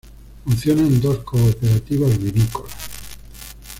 Funcionan dos cooperativas vinícolas.